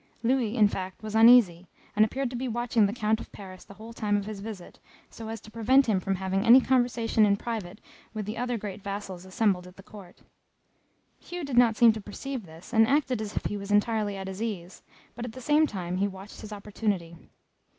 Louis, in fact, was uneasy, and appeared to be watching the Count of Paris the whole time of his visit, so as to prevent him from having any conversation in private with the other great vassals assembled at the court. Hugh did not seem to perceive this, and acted as if he was entirely at his ease, but at the same time he watched his opportunity.